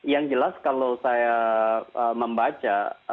yang jelas kalau saya membaca